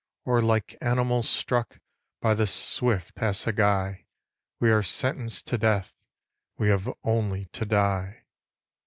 Or like animals struck By the swift assegai, We are sentenced to death, We have only to die.